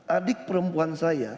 adik perempuan saya